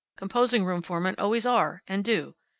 Composing room foremen always are and do.